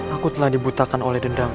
aku telah dibutakan oleh dendam